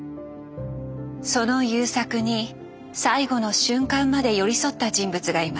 その優作に最期の瞬間まで寄り添った人物がいます。